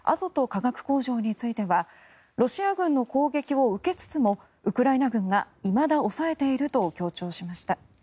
化学工場についてはロシア軍の攻撃を受けつつもウクライナ軍がいまだ押さえていると強調しました。